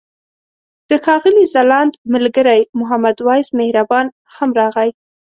د ښاغلي ځلاند ملګری محمد وېس مهربان هم راغی.